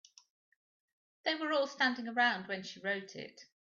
They were all standing around when she wrote it.